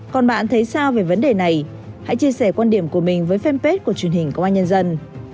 còn bạn thấy sao về vấn đề này hãy chia sẻ quan điểm của mình với fanpage của truyền hình công an nhân dân